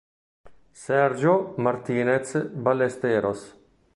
Sergio Martínez Ballesteros